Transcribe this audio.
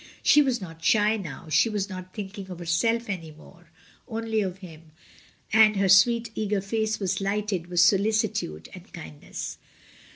She was not shy now. She was not thinking of herself any more, only of him, and her sweet eager face was lighted with solicitude and kindness.